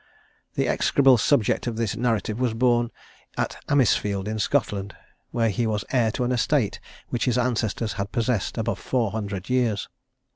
The execrable subject of this narrative was born at Amisfield, in Scotland, where he was heir to an estate which his ancestors had possessed above four hundred years.